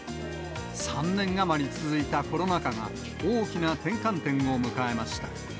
３年余り続いたコロナ禍が大きな転換点を迎えました。